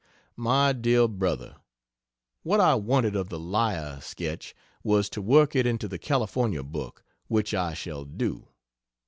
MY DEAR BRO, What I wanted of the "Liar" Sketch, was to work it into the California book which I shall do.